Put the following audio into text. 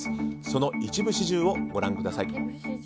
その一部始終をご覧ください。